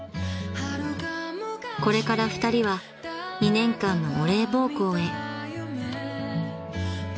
［これから２人は２年間のお礼奉公へ］